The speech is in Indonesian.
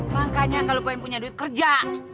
makanya kalau lo pengen punya duit kerja